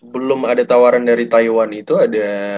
belum ada tawaran dari taiwan itu ada